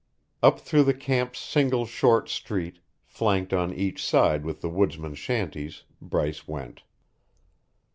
Up through the camp's single short street, flanked on each side with the woodsmen's shanties, Bryce went.